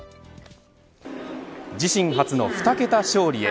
自身初の２桁勝利へ。